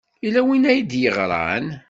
Yella win ay d-yeɣran.